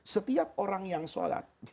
setiap orang yang sholat